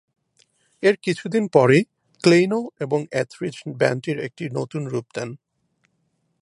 এর কিছুদিন পরেই, ক্লেইনো এবং এথরিজ ব্যান্ডটির একটি নতুন রূপ দেন।